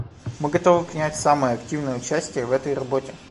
Мы готовы принять самое активное участие в этой работе.